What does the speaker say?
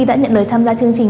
đã nhận lời tham gia chương trình